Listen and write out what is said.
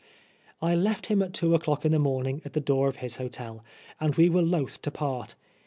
'* I left him at two o'clock in the morning at the door of his hotel, and we were loth to part.